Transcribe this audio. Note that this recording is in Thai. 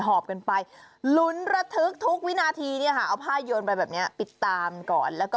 ให้คุณประเมินได้ด้วยสายตากันไหม